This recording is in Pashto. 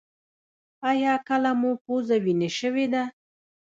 ایا کله مو پوزه وینې شوې ده؟